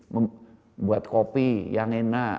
membuat kopi yang enak